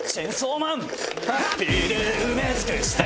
「ハッピーで埋め尽くして」